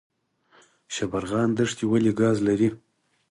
شبرغان دښتې ولې ګاز لري؟